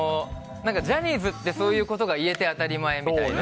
ジャニーズってそういうことが言えて当たり前みたいな。